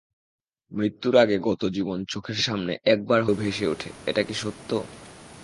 মৃত্যুর আগে গত জীবন চোখের সামনে একবার হলেও ভেসে ওঠে, এটা কি সত্য?